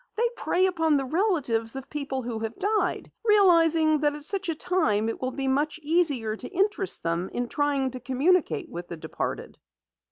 "They prey upon the relatives of persons who have died, realizing that at such a time it will be much easier to interest them in trying to communicate with the departed!"